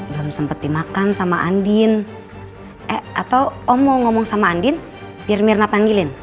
belum sempet dimakan sama andin eh atau om mau ngomong sama andin biar mirna panggilin